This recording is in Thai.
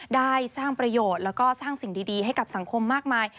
ได้สร้างประโยชน์แล้วก็สร้างสิ่งดีให้กับสังคมมากมาย